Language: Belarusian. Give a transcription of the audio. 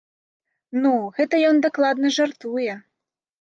Ну, гэта ён дакладна жартуе!